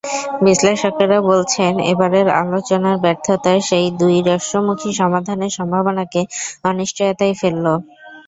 বিশ্লেষকেরা বলছেন, এবারের আলোচনার ব্যর্থতা সেই দুই রাষ্ট্রমুখী সমাধানের সম্ভাবনাকে অনিশ্চয়তায় ফেলল।